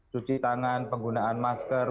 cuci tangan penggunaan masker